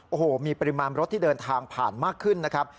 โอ้โหมีปริมาณรถที่เดินทางผ่านมากขึ้นนะครับ